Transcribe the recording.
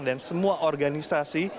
dan semua organisasi